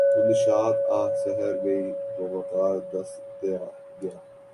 وہ نشاط آہ سحر گئی وہ وقار دست دعا گیا